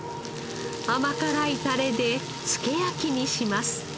甘辛いタレで付け焼きにします。